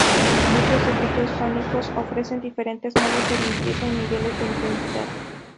Muchos cepillos sónicos ofrecen diferentes modos de limpieza y niveles de intensidad.